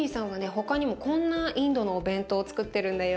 他にもこんなインドのお弁当をつくってるんだよ。